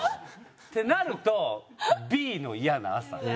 ってなるとＢの「嫌な朝」。